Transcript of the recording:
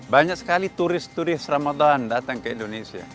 banyak sekali turis turis ramadhan datang ke indonesia